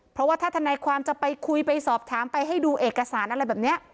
เพราะว่าถ้าทนายความจะไปคุยไปสอบถามไปให้ดูเอกสารอะไรแบบนี้